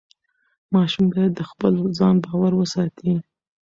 ماشوم باید د خپل ځان باور وساتي.